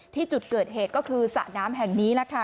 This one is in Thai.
ที่จุดเกิดเหตุก็คือสระน้ำแห่งนี้แหละค่ะ